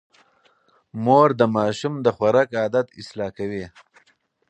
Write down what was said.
مور د ماشوم د خوراک عادت اصلاح کوي.